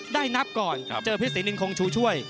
ได้นับก่อนเจอเพชรศรีนินคงชูช่วย